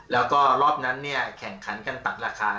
แล้วก็รอบนั้นเนี่ยแข่งขันกันตัดราคา